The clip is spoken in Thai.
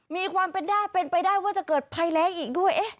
มีความเป็นว่าจะเกิดสงสัยอีกด้วย